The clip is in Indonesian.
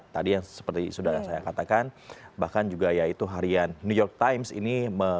tadi yang seperti sudah saya katakan bahkan juga yaitu harian new york times ini